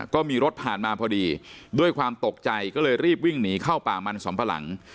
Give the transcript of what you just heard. ก็มีรถผ่านมาพอดีด้วยความตกใจก็เลยรีบวิ่งหนีเข้าป่ามันสำปะหลัง